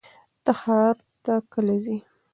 ته ښار ته کله ځې؟